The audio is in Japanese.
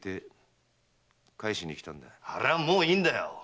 あれはもういいんだよ。